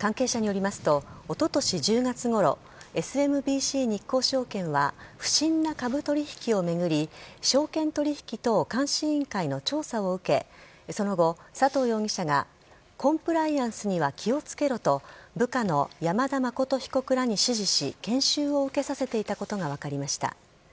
関係者によりますと、おととし１０月ごろ、ＳＭＢＣ日興証券は不審な株取り引きを巡り、証券取引等監視委員会の調査を受け、その後、佐藤容疑者が、コンプライアンスには気をつけろと、部下の山田誠被告らに指示し、研修を受けさせていたことが分かりました。